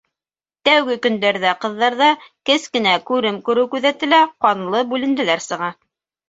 Тәүге көндәрҙә ҡыҙҙарҙа кескенә «күрем күреү» күҙәтелә, ҡанлы бүленделәр сыға.